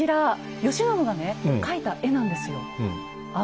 慶喜がね描いた絵なんですよ。